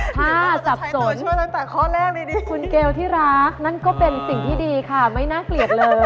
ถ้าสับสนคุณเกลที่รักนั่นก็เป็นสิ่งที่ดีค่ะไม่น่าเกลียดเลย